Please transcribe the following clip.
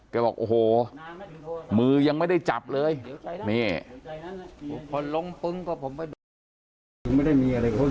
แกบอกโอ้โหมือยังไม่ได้จับเลยนี่